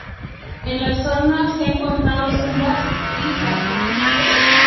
En la zona se han encontrado tumbas y sarcófagos.